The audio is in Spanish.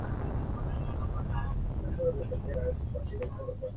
Vicepresidencia de la Honorable Cámara de Senadores.